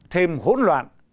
thêm hỗn loạn